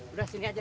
udah sini aja